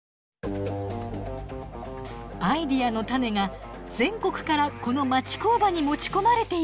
アイデアのタネが全国からこの町工場に持ち込まれていたのです。